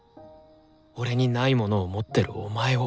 俺にないものを持ってるお前を。